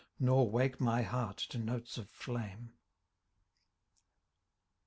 Nor wake my heart to notes of flame